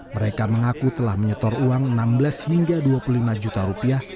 mereka mengaku telah menyetor uang enam belas hingga dua puluh lima juta rupiah